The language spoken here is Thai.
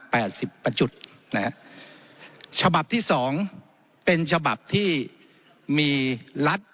สิบประจุดนะฮะฉบับที่สองเป็นฉบับที่มีรัฐ